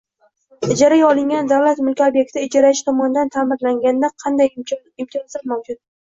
Ijaraga olingan davlat mulki ob’ekti ijarachi tomonidan ta’mirlanganda qanday imtiyozlar mavjud?